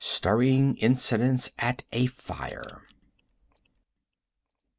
Stirring Incidents at a Fire.